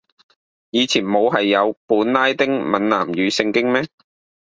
以前冇係有本拉丁閩南語聖經咩